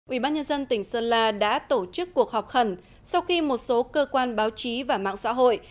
ủy ban nhân dân tỉnh sơn la đã tổ chức cuộc họp khẩn sau khi một số cơ quan báo chí và mạng xã hội